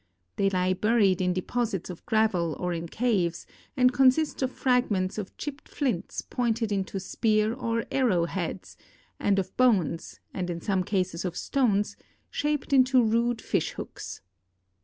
They lie )»uried in deposits of gravel or in caves, and consist of fragments of chii)ped flints pointed into spear or arrow heads, and of bones (and in' some cases of stones) shaped into rude fish hooks.